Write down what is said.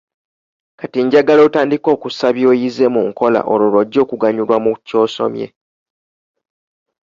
K ati njagala otandike okussa by'oyize mu nkola olwo lw'ojja okuganyulwa mu ky'osomye.